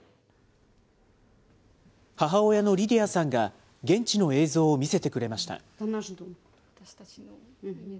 母親のリディアさんが現地の映像を見せてくれました。